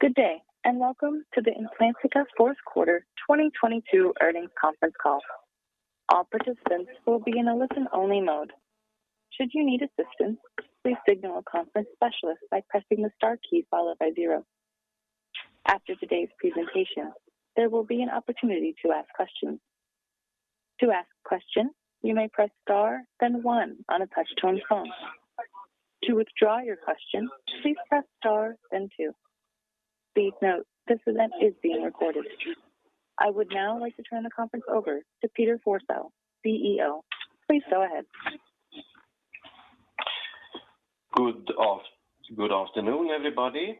Good day. Welcome to the Implantica Fourth Quarter 2022 Earnings Conference call. All participants will be in a listen-only mode. Should you need assistance, please signal a conference specialist by pressing the Star key followed by zero. After today's presentation, there will be an opportunity to ask questions. To ask questions, you may press Star then one on a touch-tone phone. To withdraw your question, please press star then two. Please note, this event is being recorded. I would now like to turn the conference over to Peter Forsell, CEO. Please go ahead. Good afternoon, everybody.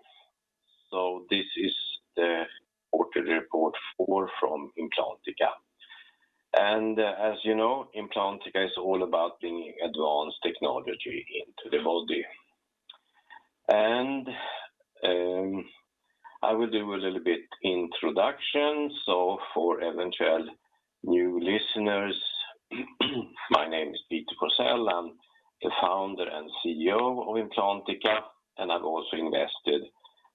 This is the quarter report four from Implantica. As you know, Implantica is all about bringing advanced technology into the body. I will do a little bit introduction. For eventual new listeners, my name is Peter Forsell. I'm the founder and CEO of Implantica, and I've also invested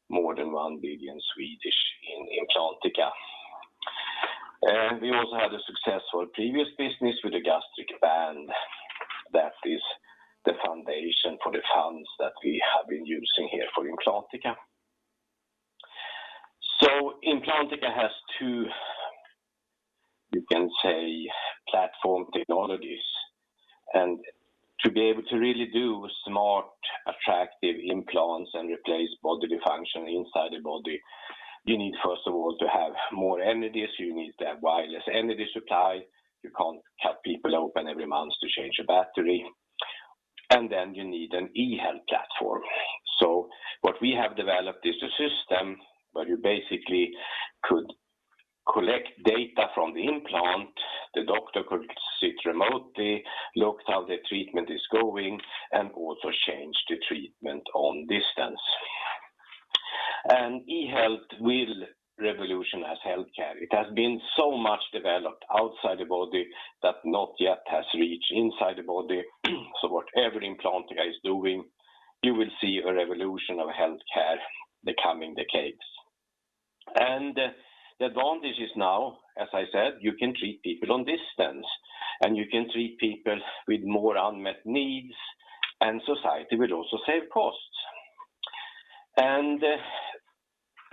more than 1 billion in Implantica. We also had a successful previous business with the gastric band. That is the foundation for the funds that we have been using here for Implantica. Implantica has two, you can say, platform technologies. To be able to really do smart, attractive implants and replace bodily function inside the body, you need, first of all, to have more energies. You need to have wireless energy supply. You can't cut people open every month to change a battery. You need an eHealth platform. What we have developed is a system where you basically could collect data from the implant. The doctor could sit remotely, look how the treatment is going, and also change the treatment on distance. eHealth will revolutionize healthcare. It has been so much developed outside the body that not yet has reached inside the body. Whatever Implantica is doing, you will see a revolution of healthcare the coming decades. The advantage is now, as I said, you can treat people on distance, and you can treat people with more unmet needs, and society will also save costs.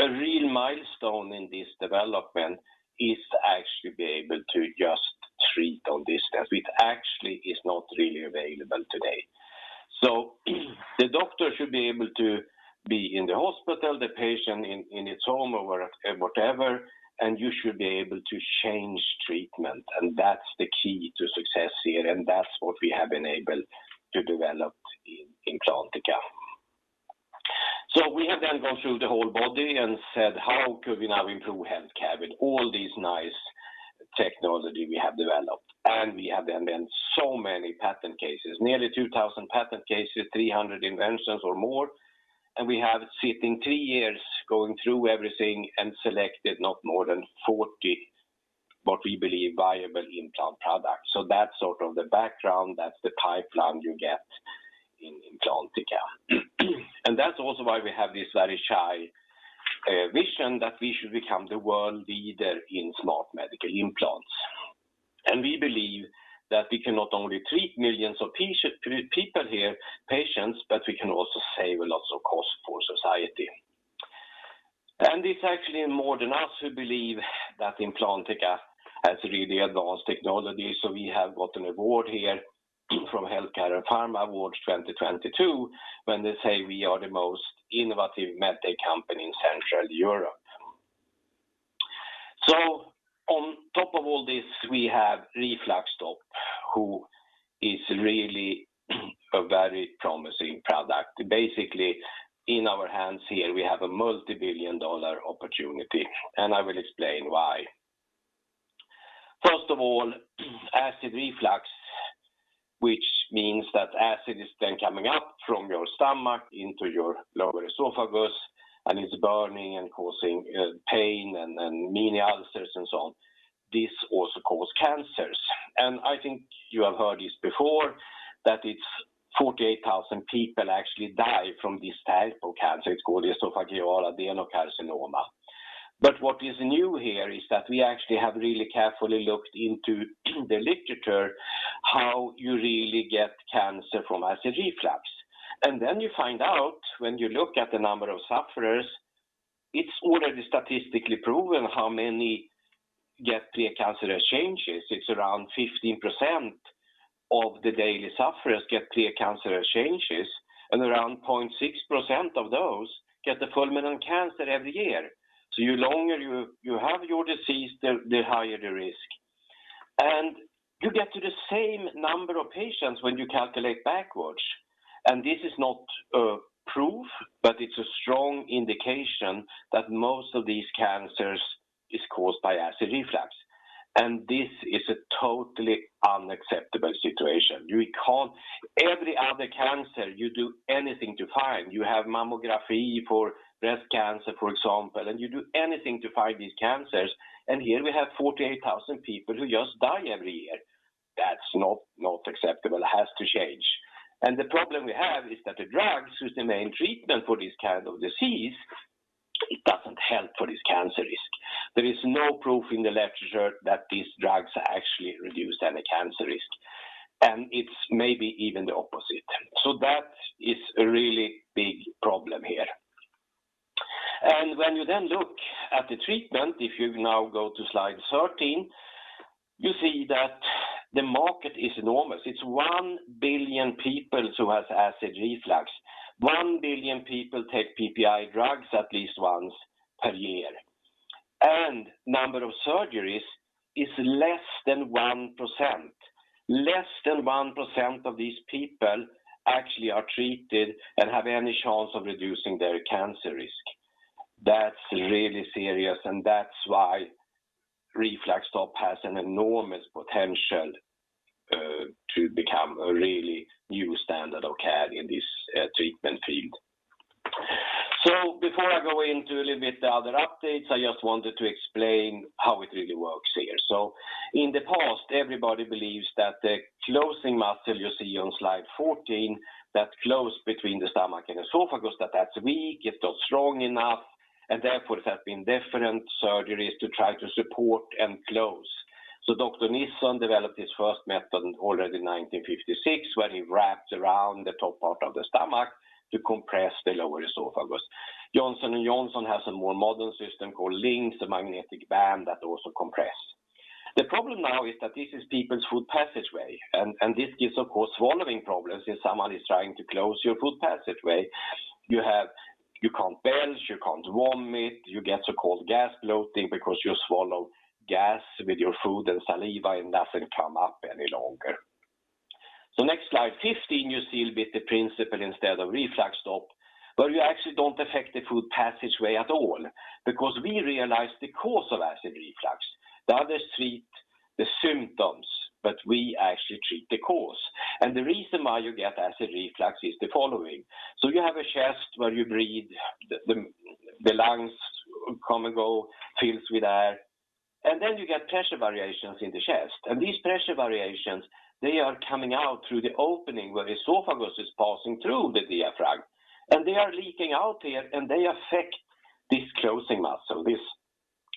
A real milestone in this development is to actually be able to just treat on distance. It actually is not really available today. The doctor should be able to be in the hospital, the patient in his home or work or whatever, and you should be able to change treatment. That's the key to success here, and that's what we have been able to develop in Implantica. We have then gone through the whole body and said, "How could we now improve healthcare with all this nice technology we have developed?" We have then so many patent cases, nearly 2,000 patent cases, 300 inventions or more. We have sit in three years going through everything and selected not more than 40, what we believe viable implant products. That's sort of the background, that's the pipeline you get in Implantica. That's also why we have this very high vision that we should become the world leader in smart medical implants. We believe that we can not only treat millions of people here, patients, but we can also save lots of costs for society. It's actually more than us who believe that Implantica has really advanced technology. We have got an award here from Healthcare & Pharmaceutical Awards 2022, when they say we are the most innovative medtech company in Central Europe. On top of all this, we have RefluxStop, who is really a very promising product. Basically, in our hands here, we have a $ multi-billion opportunity, and I will explain why. First of all, acid reflux, which means that acid is then coming up from your stomach into your lower esophagus and it's burning and causing pain and many ulcers and so on. This also cause cancers. I think you have heard this before, that it's 48,000 people actually die from this type of cancer. It's called esophageal adenocarcinoma. What is new here is that we actually have really carefully looked into the literature how you really get cancer from acid reflux. You find out when you look at the number of sufferers, it's already statistically proven how many get precancerous changes. It's around 15% of the daily sufferers get precancerous changes, and around 0.6% of those get the full-blown cancer every year. The longer you have your disease, the higher the risk. You get to the same number of patients when you calculate backwards. This is not proof, but it's a strong indication that most of these cancers is caused by acid reflux. This is a totally unacceptable situation. You recall every other cancer you do anything to find. You have mammography for breast cancer, for example, you do anything to find these cancers. Here we have 48,000 people who just die every year. That's not acceptable. It has to change. The problem we have is that the drugs, who's the main treatment for this kind of disease, it doesn't help for this cancer risk. There is no proof in the literature that these drugs actually reduce any cancer risk, and it's maybe even the opposite. That is a really big problem here. When you then look at the treatment, if you now go to slide 13, you see that the market is enormous. It's 1 billion people who has acid reflux. 1 billion people take PPI drugs at least once per year. Number of surgeries is less than 1%. Less than 1% of these people actually are treated and have any chance of reducing their cancer risk. That's really serious, that's why RefluxStop has an enormous potential to become a really new standard of care in this treatment field. Before I go into a little bit the other updates, I just wanted to explain how it really works here. In the past, everybody believes that the closing muscle you see on slide 14, that close between the stomach and esophagus, that's weak, it's not strong enough, therefore there have been different surgeries to try to support and close. Dr. Nissen developed his first method already in 1956, where he wrapped around the top part of the stomach to compress the lower esophagus. Johnson & Johnson has a more modern system called LINX, a magnetic band that also compress. The problem now is that this is people's food passageway, and this gives, of course, swallowing problems if someone is trying to close your food passageway. You can't belch, you can't vomit, you get so-called gas bloating because you swallow gas with your food and saliva, and nothing come up any longer. Next slide 15, you see a bit the principle instead of RefluxStop, where you actually don't affect the food passageway at all because we realize the cause of acid reflux. The others treat the symptoms, but we actually treat the cause. The reason why you get acid reflux is the following. You have a chest where you breathe, the lungs come and go, fills with air, and then you get pressure variations in the chest. These pressure variations, they are coming out through the opening where the esophagus is passing through the diaphragm, and they are leaking out here, and they affect this closing muscle,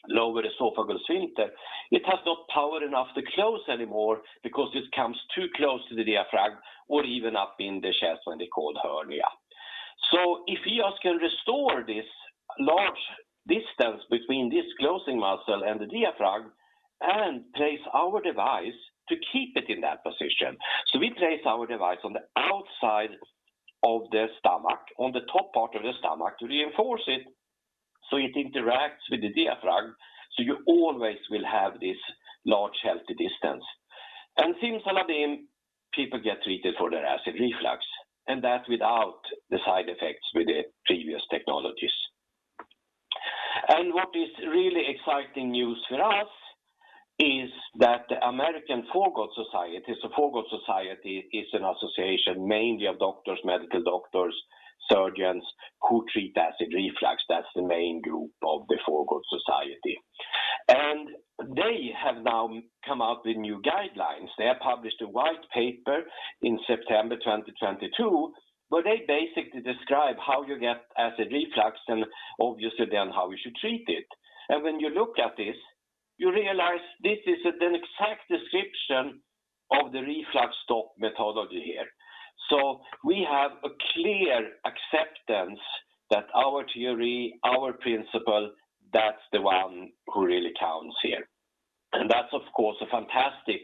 this lower esophageal sphincter. It has not power enough to close anymore because it comes too close to the diaphragm or even up in the chest when they call hernia. If we just can restore this large distance between this closing muscle and the diaphragm and place our device to keep it in that position. We place our device on the outside of the stomach, on the top part of the stomach to reinforce it, so it interacts with the diaphragm, so you always will have this large healthy distance. Since then, people get treated for their acid reflux, and that without the side effects with the previous technologies. What is really exciting news for us is that the American Foregut Society, so Foregut Society is an association mainly of doctors, medical doctors, surgeons who treat acid reflux. That's the main group of the Foregut Society. They have now come out with new guidelines. They have published a white paper in September 2022, where they basically describe how you get acid reflux and obviously then how you should treat it. When you look at this, you realize this is an exact description of the RefluxStop methodology here. We have a clear acceptance that our theory, our principle, that's the one who really counts here. That's, of course, a fantastic,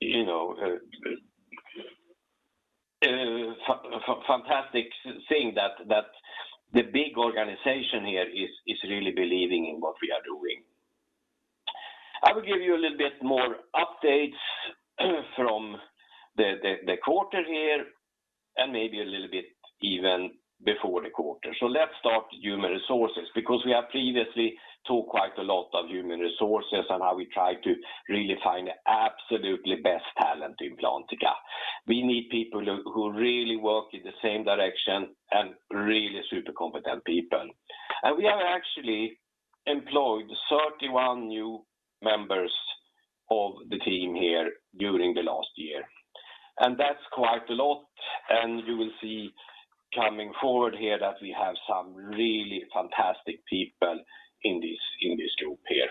you know, fantastic thing that the big organization here is really believing in what we are doing. I will give you a little bit more updates from the quarter here and maybe a little bit even before the quarter. Let's start human resources because we have previously talked quite a lot of human resources and how we try to really find the absolutely best talent in Implantica. We need people who really work in the same direction and really super competent people. We have actually employed 31 new members of the team here during the last year. That's quite a lot. You will see coming forward here that we have some really fantastic people in this, in this group here.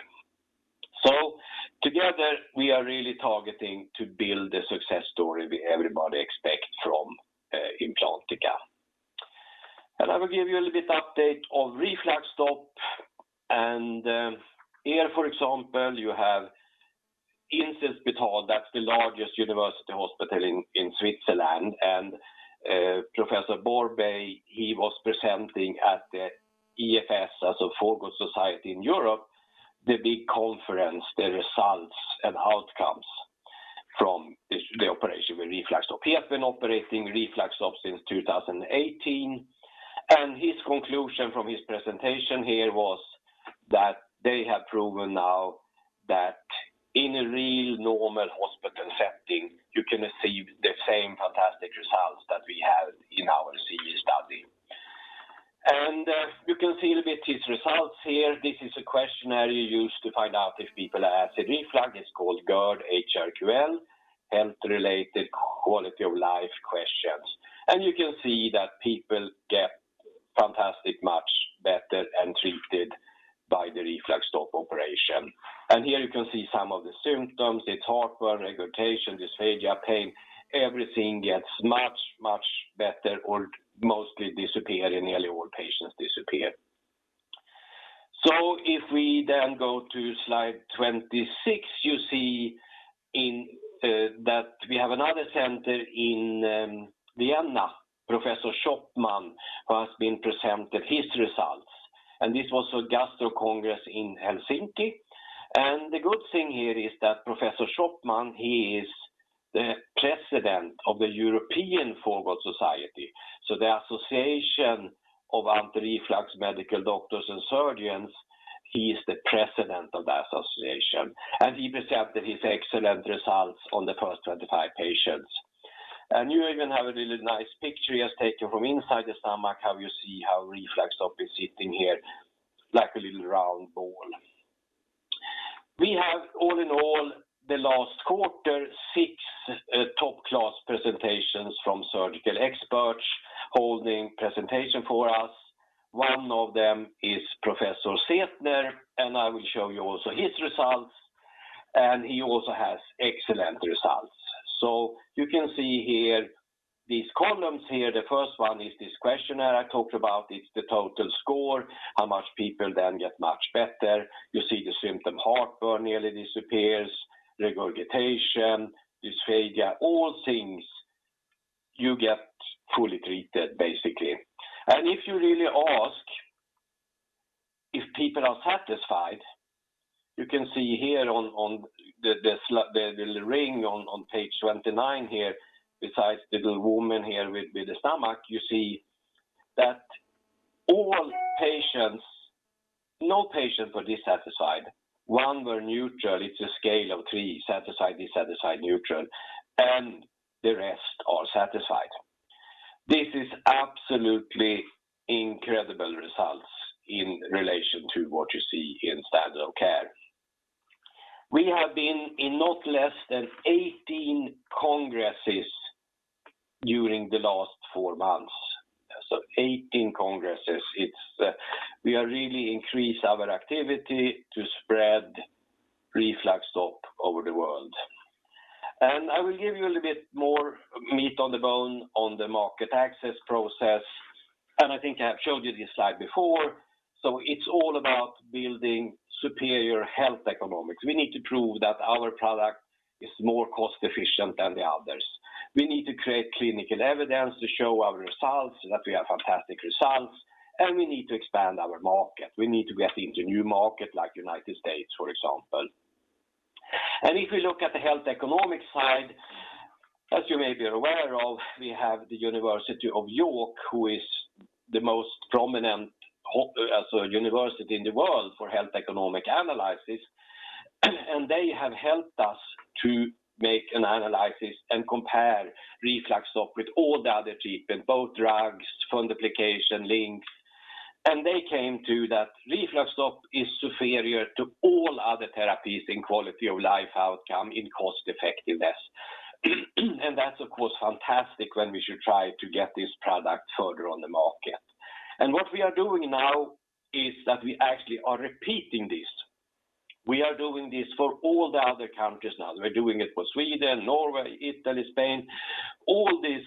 Together, we are really targeting to build the success story we everybody expect from Implantica. I will give you a little bit update on RefluxStop. Here, for example, you have Inselspital, that's the largest university hospital in Switzerland. Professor Borbély, he was presenting at the EFS, as a Foregut Society in Europe, the big conference, the results and outcomes from the operation with RefluxStop. He has been operating RefluxStop since 2018. His conclusion from his presentation here was that they have proven now that in a real normal hospital setting, you can achieve the same fantastic results that we had in our CE study. You can see a little bit his results here. This is a questionnaire you use to find out if people are acid reflux, it's called GERD-HRQL, Health Related Quality of Life questions. You can see that people get fantastic, much better, and treated by the RefluxStop operation. Here you can see some of the symptoms, the heartburn, regurgitation, dysphagia, pain, everything gets much, much better or mostly disappear, in nearly all patients disappear. If we go to slide 26, you see that we have another center in Vienna, Professor Schoppmann, who has been presented his results. This was for Gastro Congress in Helsinki. The good thing here is that Professor Schoppmann, he is the president of the European Foregut Society. The association of anti-reflux medical doctors and surgeons, he is the president of that association. He presented his excellent results on the first 25 patients. You even have a really nice picture he has taken from inside the stomach, how you see how RefluxStop is sitting here like a little round ball. We have all in all, the last quarter, six top-class presentations from surgical experts holding presentation for us. One of them is Professor Zehetner. I will show you also his results. He also has excellent results. You can see here, these columns here, the first one is this questionnaire I talked about. It's the total score, how much people then get much better. You see the symptom heartburn nearly disappears, regurgitation, dysphagia, all things you get fully treated, basically. If you really ask if people are satisfied, you can see here on the ring on page 29 here, besides the woman here with the stomach, you see that all patients, no patient were dissatisfied. One were neutral. It's a scale of three: satisfied, dissatisfied, neutral. The rest are satisfied. This is absolutely incredible results in relation to what you see in standard care. We have been in not less than 18 congresses during the last four months. 18 congresses. It's, we are really increase our activity to spread RefluxStop over the world. I will give you a little bit more meat on the bone on the market access process. I think I have showed you this slide before. It's all about building superior health economics. We need to prove that our product is more cost efficient than the others. We need to create clinical evidence to show our results, that we have fantastic results, and we need to expand our market. We need to get into new market, like United States, for example. If we look at the health economic side, as you may be aware of, we have the University of York, who is the most prominent university in the world for health economic analysis. They have helped us to make an analysis and compare RefluxStop with all the other treatment, both drugs, fundoplication, LINX. They came to that RefluxStop is superior to all other therapies in quality of life outcome in cost effectiveness. That's of course, fantastic when we should try to get this product further on the market. What we are doing now is that we actually are repeating this. We are doing this for all the other countries now. We're doing it for Sweden, Norway, Italy, Spain. All this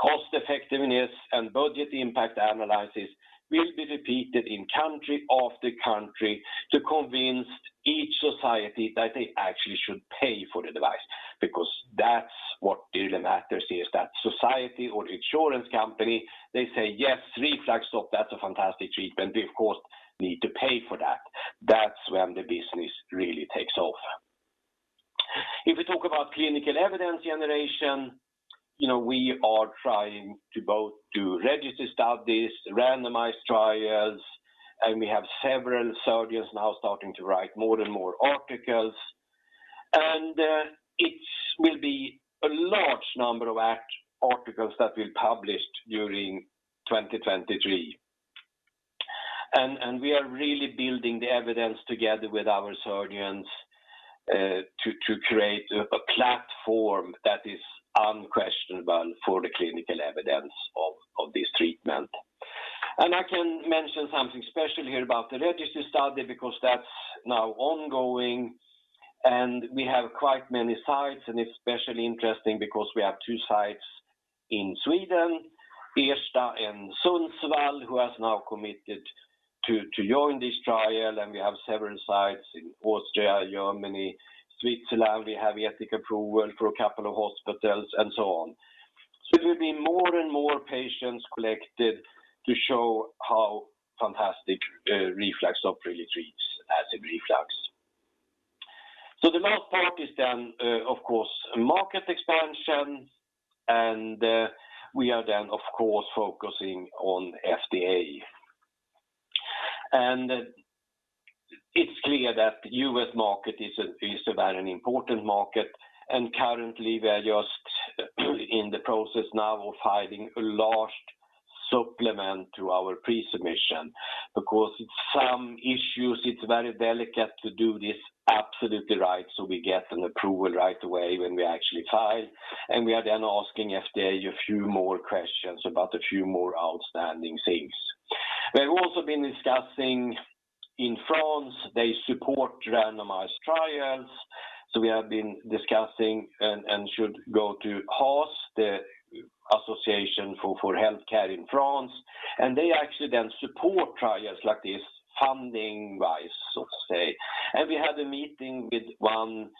cost effectiveness and budget impact analysis will be repeated in country after country to convince each society that they actually should pay for the device, because that's what really matters, is that society or insurance company, they say, "Yes, RefluxStop, that's a fantastic treatment. We of course need to pay for that." That's when the business really takes off. If we talk about clinical evidence generation, you know, we are trying to both do register studies, randomized trials, and we have several surgeons now starting to write more and more articles. It will be a large number of articles that we published during 2023. We are really building the evidence together with our surgeons to create a platform that is unquestionable for the clinical evidence of this treatment. I can mention something special here about the register study, because that's now ongoing, and we have quite many sites, and it's especially interesting because we have two sites in Sweden, Ersta and Sundsvall, who has now committed to join this trial. We have several sites in Austria, Germany, Switzerland. We have ethical approval for a couple of hospitals and so on. It will be more and more patients collected to show how fantastic RefluxStop really treats acid reflux. The last part is, of course, market expansion. We are, of course, focusing on FDA and it's clear that U.S. market is a very important market. Currently we are just in the process now of filing a large supplement to our pre-submission. It's some issues, it's very delicate to do this absolutely right, so we get an approval right away when we actually file. We are then asking FDA a few more questions about a few more outstanding things. We have also been discussing in France, they support randomized trials. We have been discussing and should go to HAS, the Association for Healthcare in France. They actually then support trials like this funding-wise, so to say. We had a meeting with one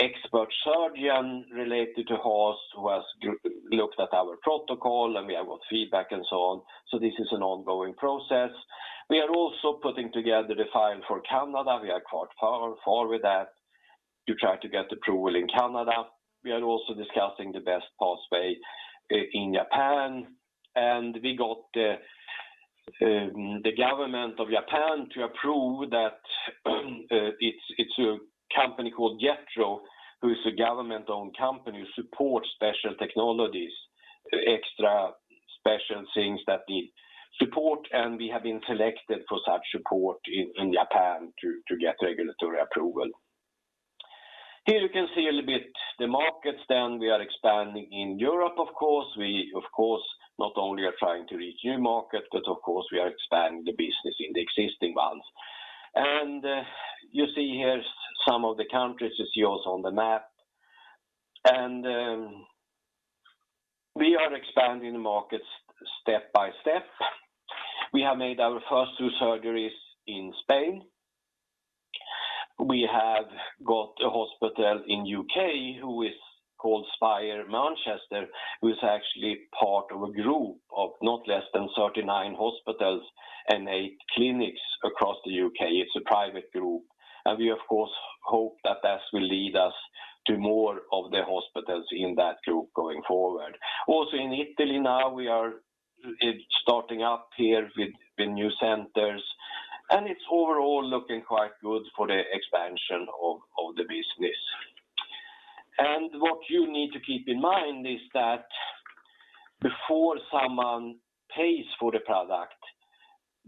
expert surgeon related to HAS, who has looked at our protocol, and we have got feedback and so on. This is an ongoing process. We are also putting together the file for Canada. We are quite far with that to try to get approval in Canada. We are also discussing the best pathway in Japan. We got the government of Japan to approve that, it's a company called JETRO, who is a government-owned company who supports special technologies, extra special things that need support, and we have been selected for such support in Japan to get regulatory approval. Here you can see a little bit the markets we are expanding in Europe, of course. We, of course, not only are trying to reach new markets, of course we are expanding the business in the existing ones. You see here some of the countries you see also on the map. We are expanding the markets step by step. We have made our first two surgeries in Spain. We have got a hospital in U.K. who is called Spire Manchester, who is actually part of a group of not less than 39 hospitals and eight clinics across the U.K. It's a private group. We of course hope that that will lead us to more of the hospitals in that group going forward. Also in Italy now, we are starting up here with the new centers. It's overall looking quite good for the expansion of the business. What you need to keep in mind is that before someone pays for the product,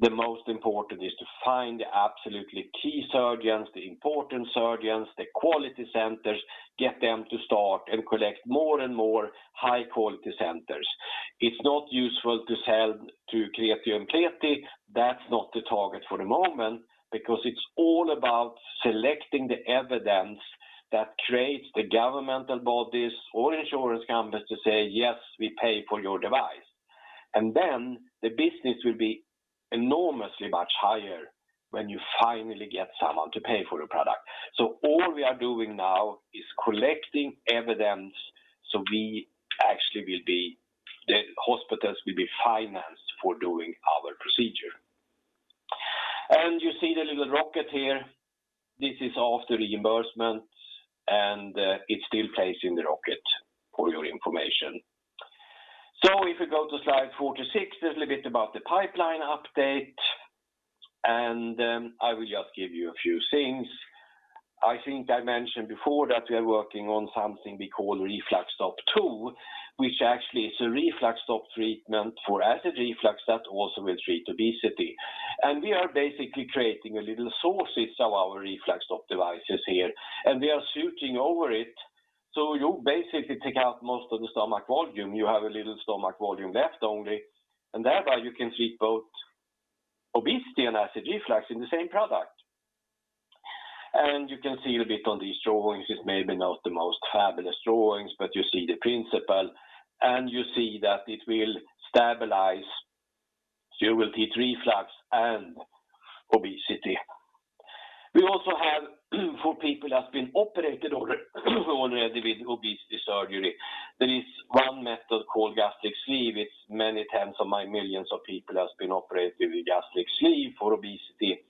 the most important is to find the absolutely key surgeons, the important surgeons, the quality centers, get them to start and collect more and more high quality centers. It's not useful to sell to creative and creative. That's not the target for the moment because it's all about selecting the evidence that creates the governmental bodies or insurance companies to say, "Yes, we pay for your device." The business will be enormously much higher when you finally get someone to pay for the product. All we are doing now is collecting evidence, so we actually The hospitals will be financed for doing our procedure. You see the little rocket here. This is of the reimbursement. It still plays in the rocket for your information. If we go to slide four to six, there's a little bit about the pipeline update. I will just give you a few things. I think I mentioned before that we are working on something we call RefluxStop II, which actually is a RefluxStop treatment for acid reflux that also will treat obesity. We are basically creating a little sources of our RefluxStop devices here, and we are suiting over it. You basically take out most of the stomach volume. You have a little stomach volume left only. Thereby, you can treat both obesity and acid reflux in the same product. You can see a little bit on these drawings. It's maybe not the most fabulous drawings, but you see the principle, and you see that it will stabilize severe reflux and obesity. We also have for people that's been operated on already with obesity surgery. There is one method called gastric sleeve. It's many tens of millions of people has been operated with gastric sleeve for obesity.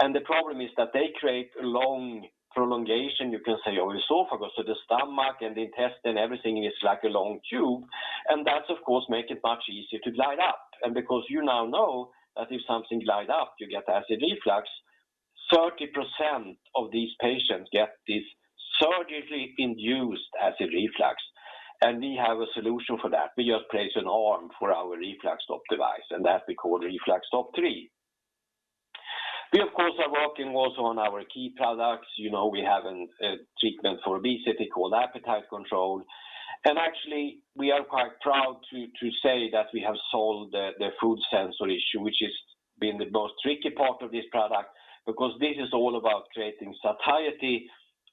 The problem is that they create a long prolongation, you can say, of esophagus. The stomach and the intestine, everything is like a long tube. That of course make it much easier to glide up. Because you now know that if something glide up, you get acid reflux. 30% of these patients get this surgically induced acid reflux. We have a solution for that. We just place an arm for our RefluxStop device, and that we call RefluxStop III. We of course are working also on our key products. You know, we have an treatment for obesity called AppetiteControl. Actually, we are quite proud to say that we have solved the food sensor issue, which has been the most tricky part of this product because this is all about creating satiety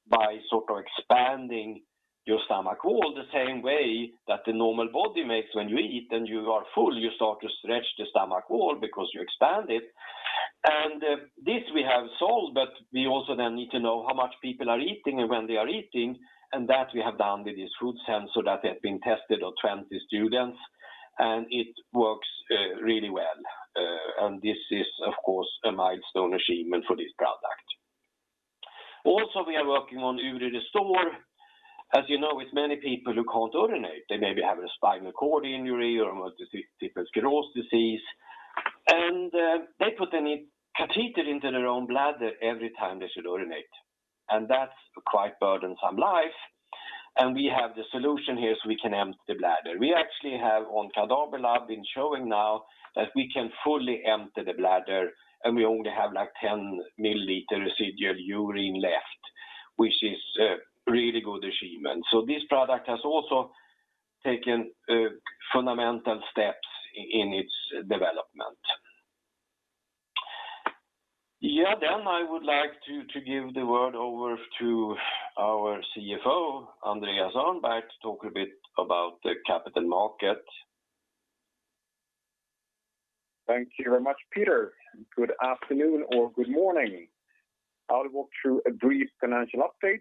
by sort of expanding your stomach wall the same way that the normal body makes when you eat and you are full, you start to stretch the stomach wall because you expand it. This we have solved, but we also then need to know how much people are eating and when they are eating. That we have done with this food sensor that has been tested on 20 students, and it works really well. This is of course a milestone achievement for this product. We are working on UriRestore. As you know, it's many people who can't urinate. They maybe have a spinal cord injury or multiple sclerosis, they put a catheter into their own bladder every time they should urinate. That's a quite burdensome life. We have the solution here, so we can empty the bladder. We actually have on cadaver lab been showing now that we can fully empty the bladder, and we only have, like, 10 milliliter residual urine left, which is a really good achievement. This product has also taken fundamental steps in its development. Yeah. I would like to give the word over to our CFO, Andreas Öhrnberg, to talk a bit about the capital market. Thank you very much, Peter. Good afternoon or good morning. I'll walk through a brief financial update,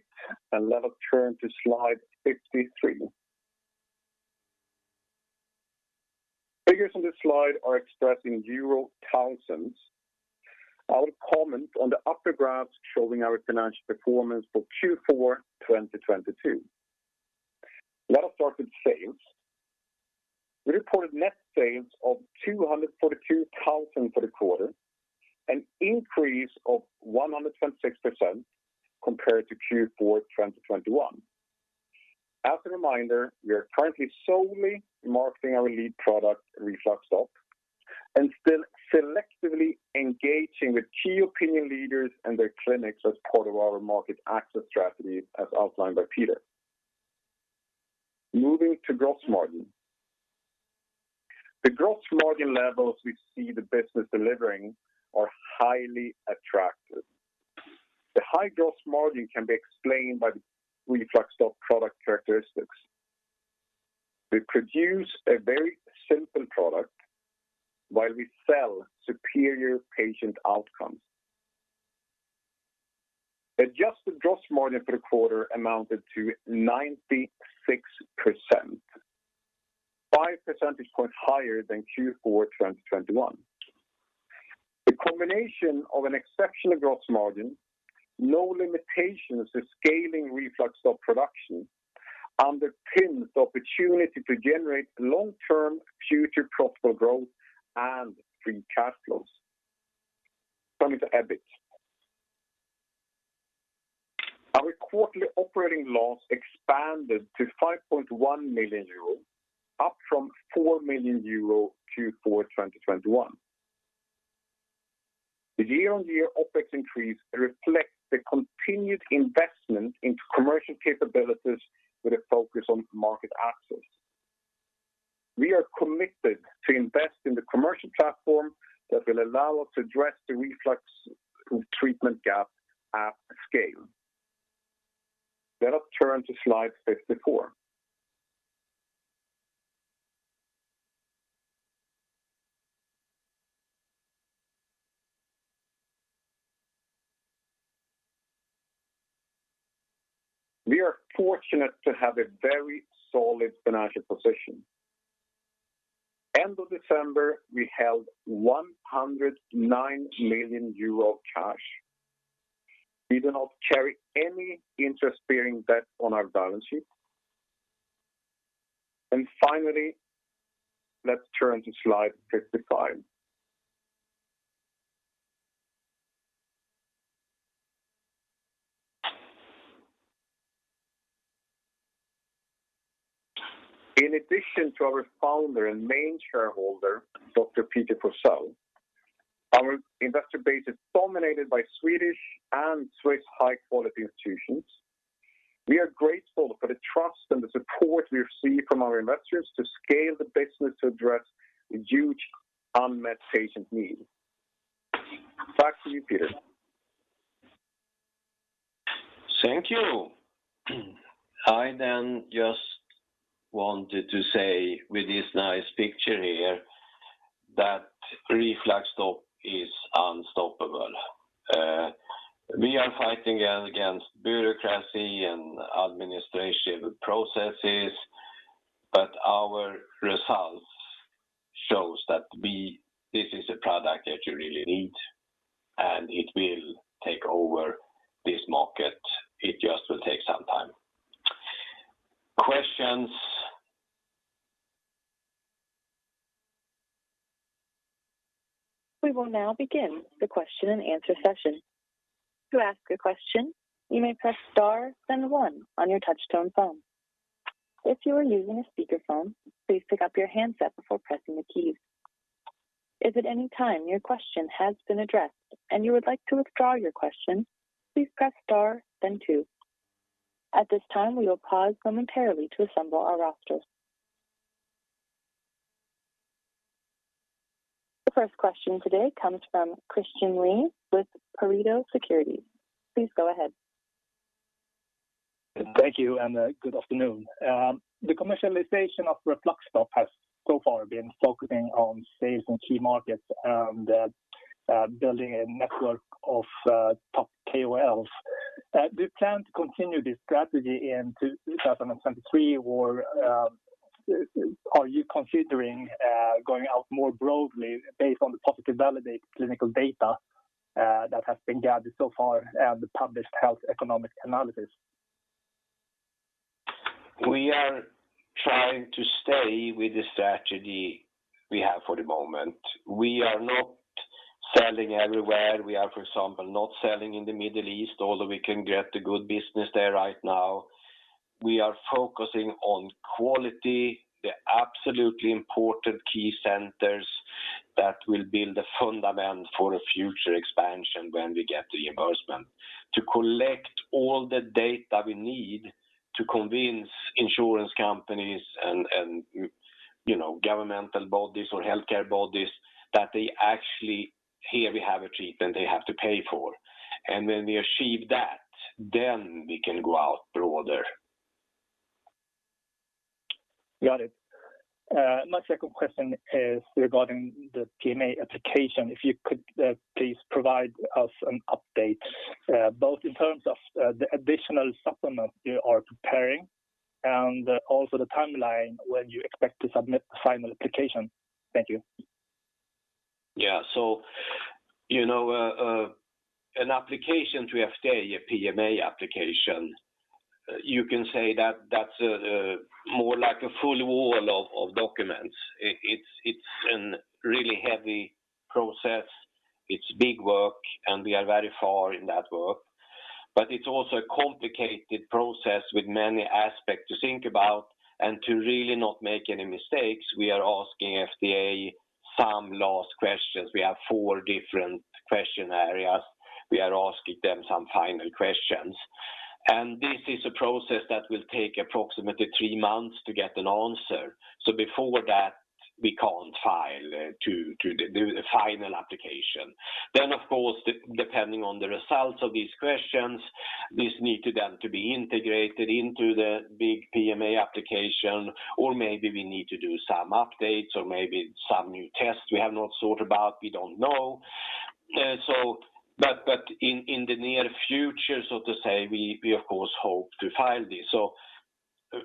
and let us turn to slide 53. Figures on this slide are expressed in euro thousands. I'll comment on the upper graphs showing our financial performance for Q4 2022. Let us start with sales. We reported net sales of 242,000 for the quarter, an increase of 126% compared to Q4 2021. As a reminder, we are currently solely marketing our lead product, RefluxStop, and still selectively engaging with key opinion leaders and their clinics as part of our market access strategy as outlined by Peter. Moving to gross margin. The gross margin levels we see the business delivering are highly attractive. The high gross margin can be explained by the RefluxStop product characteristics. We produce a very simple product while we sell superior patient outcomes. Adjusted gross margin for the quarter amounted to 96%, 5 percentage points higher than Q4 2021. The combination of an exceptional gross margin, no limitations to scaling RefluxStop production underpins the opportunity to generate long-term future profitable growth and free cash flows. Coming to EBIT. Our quarterly operating loss expanded to 5.1 million euros, up from 4 million euros Q4 2021. The year-on-year OpEx increase reflects the continued investment into commercial capabilities with a focus on market access. We are committed to invest in the commercial platform that will allow us to address the reflux treatment gap at scale. Let us turn to slide 54. We are fortunate to have a very solid financial position. End of December, we held 109 million euro cash. We do not carry any interest-bearing debt on our balance sheet. Finally, let's turn to slide 55. In addition to our founder and main shareholder, Dr. Peter Forsell, our investor base is dominated by Swedish and Swiss high-quality institutions. We are grateful for the trust and the support we receive from our investors to scale the business to address the huge unmet patient need. Back to you, Peter. Thank you. I then just wanted to say with this nice picture here that RefluxStop is unstoppable. We are fighting against bureaucracy and administration processes, but our results shows that this is a product that you really need, and it will take over this market. It just will take some time. Questions. We will now begin the question-and-answer session. To ask a question, you may press star then one on your touchtone phone. If you are using a speakerphone, please pick up your handset before pressing the keys. If at any time your question has been addressed and you would like to withdraw your question, please press star then two. At this time, we will pause momentarily to assemble our roster. The first question today comes from Christian Lee with Pareto Securities. Please go ahead. Thank you. Good afternoon. The commercialization of RefluxStop has so far been focusing on sales in key markets, that building a network of top KOLs. Do you plan to continue this strategy in 2023, or are you considering going out more broadly based on the positive validated clinical data that has been gathered so far and the published health economic analysis? We are trying to stay with the strategy we have for the moment. We are not selling everywhere. We are, for example, not selling in the Middle East, although we can get a good business there right now. We are focusing on quality, the absolutely important key centers that will build a fundament for a future expansion when we get the reimbursement. To collect all the data we need to convince insurance companies and, you know, governmental bodies or healthcare bodies that they actually, here we have a treatment they have to pay for. When we achieve that, then we can go out broader. Got it. My second question is regarding the PMA application. If you could, please provide us an update, both in terms of, the additional supplement you are preparing and also the timeline when you expect to submit the final application. Thank you. Yeah. You know, an application to FDA, a PMA application, you can say that's more like a full wall of documents. It's a really heavy process. It's big work, and we are very far in that work. It's also a complicated process with many aspects to think about. To really not make any mistakes, we are asking FDA some last questions. We have four different question areas. We are asking them some final questions. This is a process that will take approximately three months to get an answer. Before that, we can't file to do the final application. Of course, depending on the results of these questions, this need to then to be integrated into the big PMA application, or maybe we need to do some updates or maybe some new tests we have not thought about, we don't know. In the near future, so to say, we, of course, hope to file this.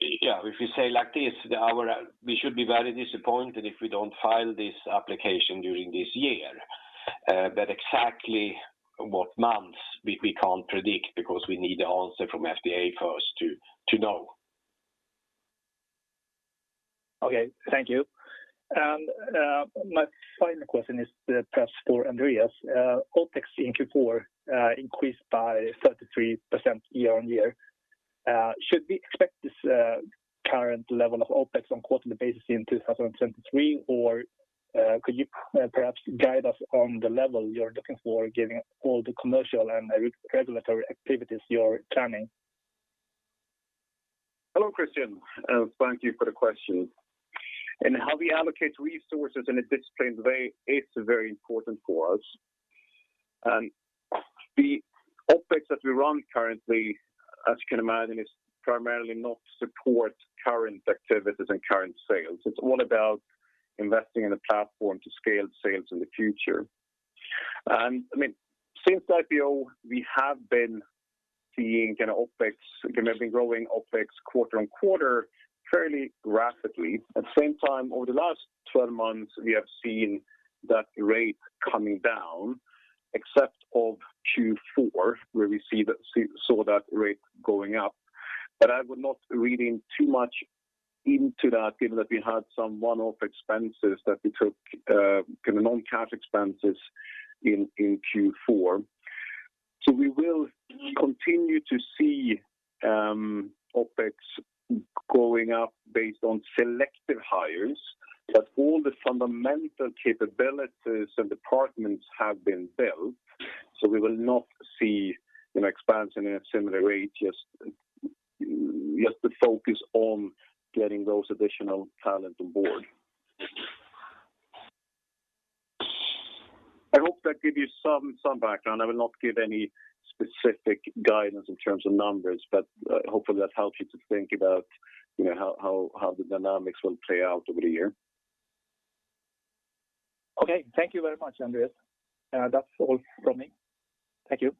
If you say like this, our, we should be very disappointed if we don't file this application during this year. Exactly what months, we can't predict because we need the answer from FDA first to know. Okay, thank you. My final question is perhaps for Andreas. OpEx in Q4 increased by 33% year-over-year. Should we expect this current level of OpEx on a quarterly basis in 2023, or could you perhaps guide us on the level you're looking for giving all the commercial and re-regulatory activities you're planning? Hello, Christian, thank you for the question. How we allocate resources in a disciplined way is very important for us. The OpEx that we run currently, as you can imagine, is primarily not to support current activities and current sales. It's all about investing in a platform to scale sales in the future. I mean, since IPO, we have been seeing an OpEx, kind of, growing OpEx quarter-on-quarter fairly rapidly. At the same time, over the last 12 months, we have seen that rate coming down, except of Q4, where we saw that rate going up. I would not read in too much into that given that we had some one-off expenses that we took, kind of non-cash expenses in Q4. We will continue to see OpEx going up based on selective hires. All the fundamental capabilities and departments have been built, so we will not see an expansion in a similar rate, just to focus on getting those additional talent on board. I hope that give you some background. I will not give any specific guidance in terms of numbers, but, hopefully, that helps you to think about, you know, how the dynamics will play out over the year. Okay. Thank you very much, Andreas. That's all from me. Thank you.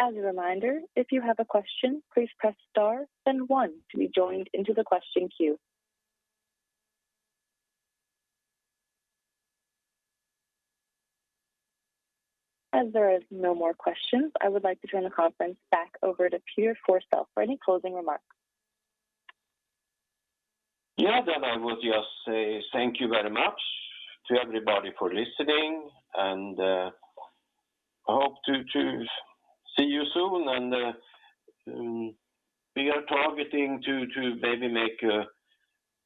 As a reminder, if you have a question, please press star then one to be joined into the question queue. There is no more questions, I would like to turn the conference back over to Peter Forsell for any closing remarks. I would just say thank you very much to everybody for listening, and I hope to see you soon. We are targeting to maybe make a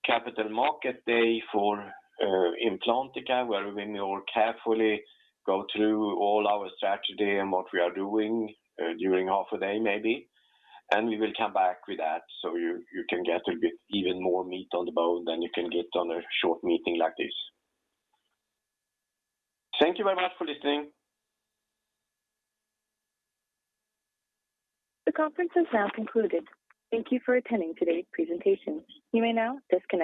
capital market day for Implantica, where we may all carefully go through all our strategy and what we are doing during half a day, maybe. We will come back with that, so you can get a bit even more meat on the bone than you can get on a short meeting like this. Thank you very much for listening. The conference is now concluded. Thank you for attending today's presentation. You may now disconnect.